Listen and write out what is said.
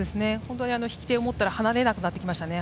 引き手を持ったら離れなくなってきましたね